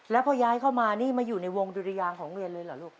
แล้วพอย้ายเข้ามานี่มาอยู่ในวงดุรยางของโรงเรียนเลยเหรอลูก